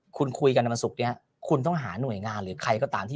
คุณคุยกันในวันศุกร์นี้คุณต้องหาหน่วยงานหรือใครก็ตามที่